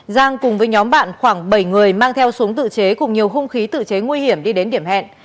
giang cùng với nhóm bạn khoảng bảy người mang theo súng tự chế cùng nhiều hung khí tự chế nguy hiểm đi đến điểm hẹn